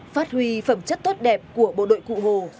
phát huy phẩm chất tốt đẹp của bộ đội cụ hồ